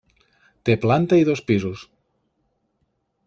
Té planta i dos piso.